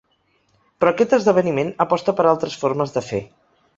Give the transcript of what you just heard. Però aquest esdeveniment aposta per altres formes de fer.